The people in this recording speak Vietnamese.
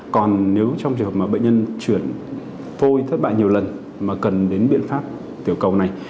còn nếu trong trường hợp mà bệnh nhân chuyển phôi thất bại nhiều lần mà cần đến biện pháp tiểu cầu này